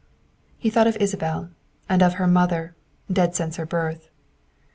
He thought of Isabel and of her mother, dead since her birth.